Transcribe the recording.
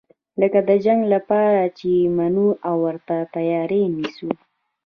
لکه د جنګ لپاره چې یې منو او ورته تیاری نیسو.